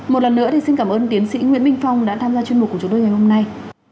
một lần nữa thì xin cảm ơn tiến sĩ nguyễn minh phong đã tham gia chuyên mục của chúng tôi ngày hôm nay